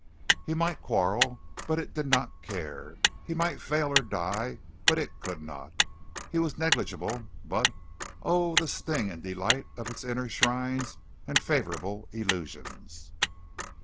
He might quarrel, but it did not care; he might fail or die, but it could not. He was negligible but, oh, the sting and delight of its inner shrines and favorable illusions.